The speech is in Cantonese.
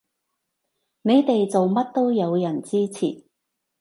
你哋做乜都有人支持